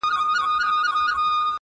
که غچيدله زنده گي په هغه ورځ درځم؛